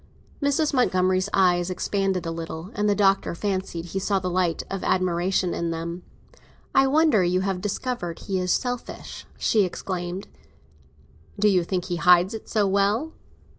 Mrs. Montgomery's eyes expanded a little, and the Doctor fancied he saw the light of admiration in them. "I wonder you have discovered he is selfish!" she exclaimed. "Do you think he hides it so well?"